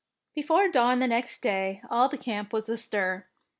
Before dawn the next day all the camp was astir.